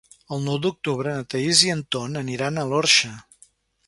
El nou d'octubre na Thaís i en Ton aniran a l'Orxa.